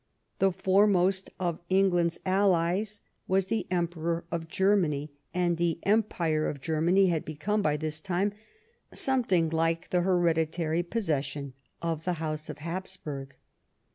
The foremost of Eng 83 ON THE ROUGH EDGE OF BATTLE land's allies was the Emperor of Germany, and the empire of Germany had become, by this time, some thing like the hereditary possession of the house of Hapsbnrg.